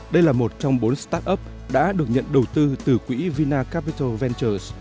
đây là một trong bốn startup đã được nhận đầu tư từ quỹ vina capital ventures